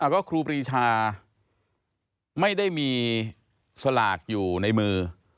ก็ครูปรีชาไม่ได้มีสลากอยู่ในมือ